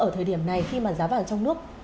ở thời điểm này khi mà giá vàng trong nước